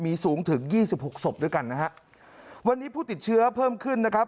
มีสูงถึงยี่สิบหกศพด้วยกันนะฮะวันนี้ผู้ติดเชื้อเพิ่มขึ้นนะครับ